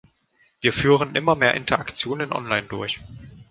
Wir führen immer mehr Interaktionen online durch